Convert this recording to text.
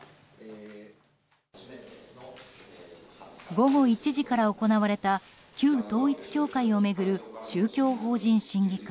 午後１時から行われた旧統一教会を巡る宗教法人審議会。